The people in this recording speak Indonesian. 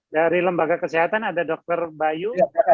dari lembaga kesehatan ada dr bayu